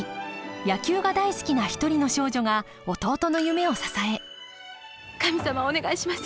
野球が大好きな一人の少女が弟の夢を支え神様お願いします。